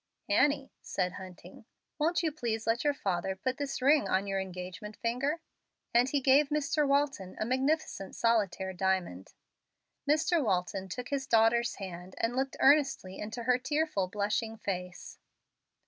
"Annie," said Hunting, "won't you please let your father put this ring on your engagement finger?" and he gave Mr. Walton a magnificent solitaire diamond. Mr. Walton took his daughter's hand, and looked earnestly into her tearful, blushing face.